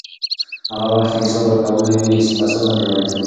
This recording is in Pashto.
هغه وخت چې حساب ورکونه وي، فساد نه پیاوړی کېږي.